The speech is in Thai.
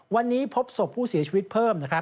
วันนี้พบศพผู้เสียชีวิตเพิ่ม